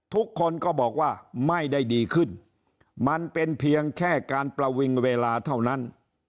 ทุกคนก็บอกว่าไม่ได้ดีขึ้นมันเป็นเพียงแค่การประวิงเวลาเท่านั้น